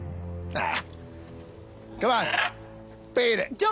ああ。